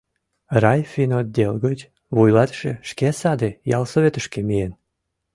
Райфинотдел гыч вуйлатыше шке саде ялсоветышке миен.